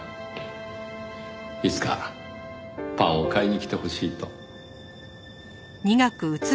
いつかパンを買いに来てほしいと。